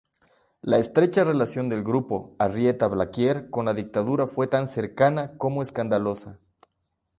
La estrecha relación del grupo Arrieta-Blaquier con la dictadura fue tan cercana como escandalosa.